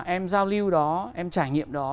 em giao lưu đó em trải nghiệm đó